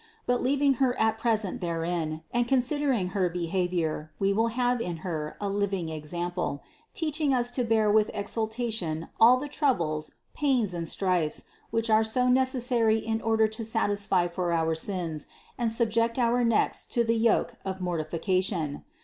But leaving Her at present therein, and con sidering Her behavior, we will have in Her a living example, teaching us to bear with exultation all the troubles, pains and strifes, which are so necessary in order to satisfy for our sins and subject our necks to the yoke of mortification.